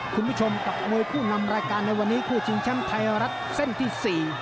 คุณผู้ชมกับมวยคู่นำรายการในวันนี้คู่ชิงแชมป์ไทยรัฐเส้นที่๔